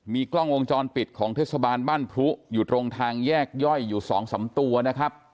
มีกล้องวงจรปิดของเทศบาลบ้านพลุอยู่ตรงทางแยกย่อยอยู่๒๓ตัวนะครับ